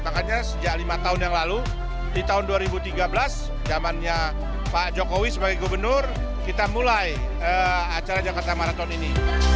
makanya sejak lima tahun yang lalu di tahun dua ribu tiga belas jamannya pak jokowi sebagai gubernur kita mulai acara jakarta marathon ini